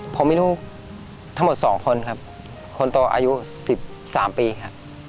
ผมมีลูกทั้งหมด๒คนครับคนโตอายุ๑๓ปีครับ